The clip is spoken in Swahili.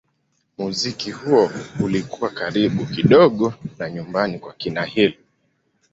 Muziki huo ulikuwa karibu kidogo na nyumbani kwa kina Hill.